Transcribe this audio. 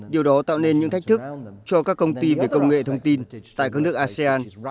điều đó tạo nên những thách thức cho các công ty về công nghệ thông tin tại các nước asean